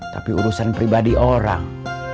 tapi urusan pribadi orang